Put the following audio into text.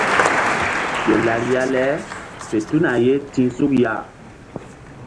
Ke lariya le fe tuna ye ti̧h suk ya.